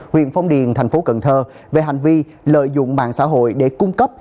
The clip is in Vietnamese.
huyện phong điền thành phố cần thơ về hành vi lợi dụng mạng xã hội để cung cấp